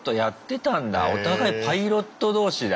お互いパイロット同士だ。